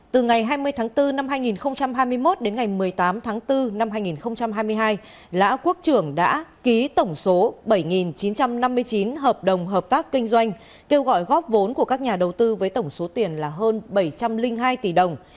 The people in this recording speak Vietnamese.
từ ngày hai mươi tháng bốn năm hai nghìn hai mươi một đến ngày một mươi tám tháng bốn năm hai nghìn hai mươi hai lã quốc trưởng đã ký tổng số bảy chín trăm năm mươi chín hợp đồng hợp tác kinh doanh kêu gọi góp vốn của các nhà đầu tư với tổng số tiền là hơn bảy trăm linh hai tỷ đồng